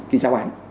cái giáo án